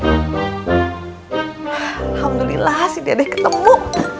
alhamdulillah si dede ketemu